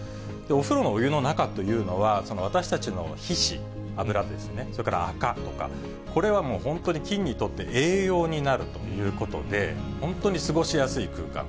お風呂のお湯の中というのは、私たちの皮脂、脂分ですね、それからあかとか、これはもう本当に菌にとって栄養になるということで、本当に過ごしやすい空間。